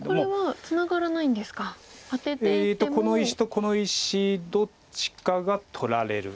この石とこの石どっちかが取られる。